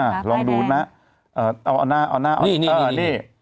อ่ะลองดูนะเอาหน้าเอาหน้านี่นี่นี่